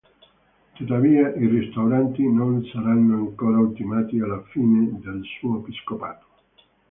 Tuttavia, i restauri non saranno ancora ultimati alla fine del suo episcopato.